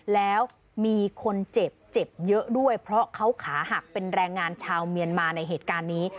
แล้วมีคนเจ็บเจ็บเยอะด้วยเพราะเขาขาหักเป็นแรงงานชาวเมียนมาในเหตุการณ์นี้